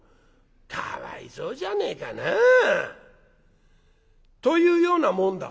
かわいそうじゃねえかな。というような紋だ」。